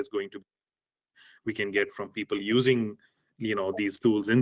kita dapat mendapatkan dari orang yang menggunakan alat alat ini di bahasa bahasa itu